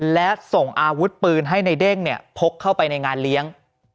และส่งอาวุธปืนให้ในเด้งเนี่ยพกเข้าไปในงานเลี้ยง